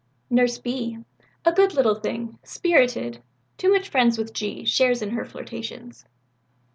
"Nurse B. A good little thing, spirited, too much friends with G., shares in her flirtations."